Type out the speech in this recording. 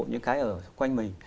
những cái ở quanh mình